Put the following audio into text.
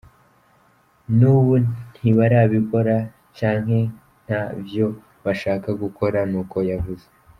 N’ubu ntibarabikora canke nta vyo bashaka gukora,” n’uko yavuze.